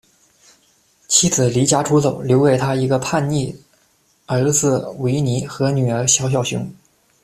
妻子离家出走，留给他一个叛逆儿子维尼和女儿小小熊。